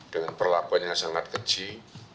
dengan perlakuan yang sangat kecil